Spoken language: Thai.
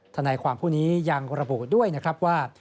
ทนายความผู้นี้ยังระบุด้วยนะครับว่า